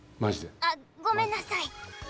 あっごめんなさい！